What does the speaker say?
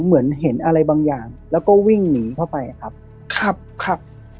เหมือนเห็นอะไรบางอย่างแล้วก็วิ่งหนีเข้าไปครับขับขับ